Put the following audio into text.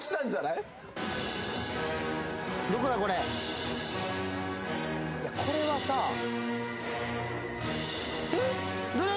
いやこれはさどれ？